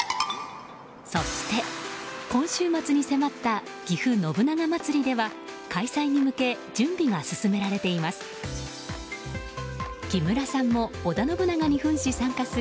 そして、今週末に迫ったぎふ信長まつりでは開催に向け準備が進められています。